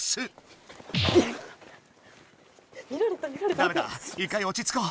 ダメだ一回おちつこう。